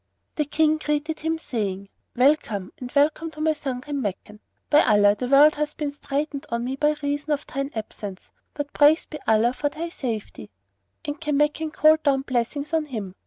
The King greeted him, saying, "Well come and welcome to my son Kanmakan! By Allah, the world hath been straitened on me by reason of thine absence, but praised be Allah for thy safety!" And Kanmakan called down blessings on him.